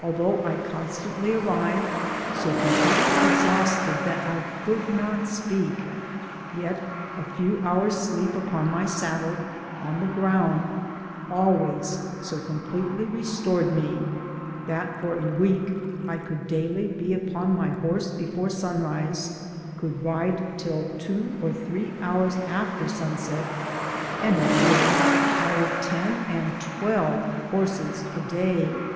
Although I constantly arrived so completely exhausted that I could not speak, yet a few hours"* deep upon my saddle, on the ground, always so completely restored me, that for a week I could daily be upon my horse before sunrise, could ride till two or three hours after sunset, and have really tired ten and twelve horses a day.